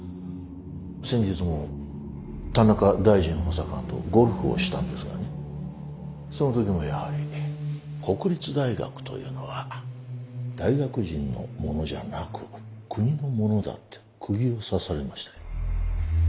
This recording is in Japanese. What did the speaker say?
先日も田中大臣補佐官とゴルフをしたんですがねその時にもやはり国立大学というのは大学人のものじゃなく国のものだってくぎを刺されましたよ。